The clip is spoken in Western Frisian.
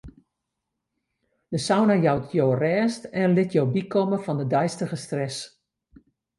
De sauna jout jo rêst en lit jo bykomme fan de deistige stress.